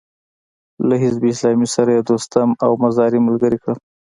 له حزب اسلامي سره يې دوستم او مزاري ملګري کړل.